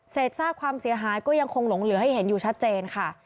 ซากความเสียหายก็ยังคงหลงเหลือให้เห็นอยู่ชัดเจนค่ะ